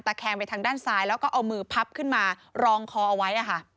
แคงไปทางด้านซ้ายแล้วก็เอามือพับขึ้นมารองคอเอาไว้